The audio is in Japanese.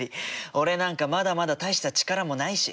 俺なんかまだまだ大した力もないし。